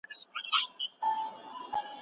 په زړګي سخته راکوي رټ ځوابونه